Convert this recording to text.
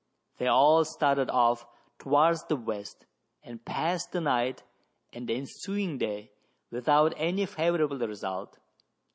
They all started off towards the west, and passed the night and the ensuing day without any favourable result.